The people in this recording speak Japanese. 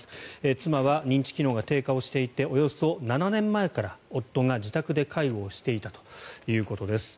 妻は認知機能が低下していておよそ７年前から夫が自宅で介護をしていたということです。